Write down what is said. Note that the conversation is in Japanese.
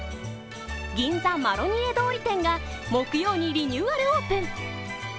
銀座マロニエ通り店が木曜にリニューアルオープン。